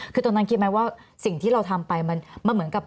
คือตอนนั้นคิดไหมว่าสิ่งที่เราทำไปมันเหมือนกับ